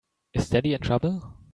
Is Daddy in trouble?